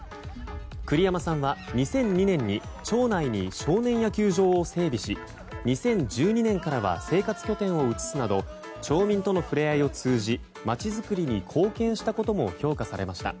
栗山さんは２００２年に町内に少年野球場を整備し２０１２年からは生活拠点を移すなど町民との触れ合いを通じ街づくりに貢献したことも評価されました。